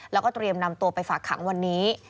แล้วก็เตรียมนำตัวไปฝากขังวันนี้